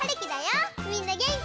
みんなげんき？